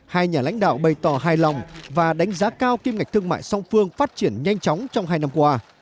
hai nhà lãnh đạo bày tỏ hài lòng và đánh giá cao kim ngạch thương mại song phương phát triển nhanh chóng trong hai năm qua